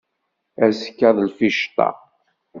Azekka d lficṭa.